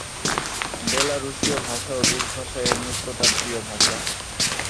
বেলারুশীয় ভাষা ও রুশ ভাষা এর নিকটাত্মীয় ভাষা।